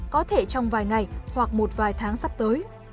có thể trong vài ngày hoặc một vài tháng sắp tới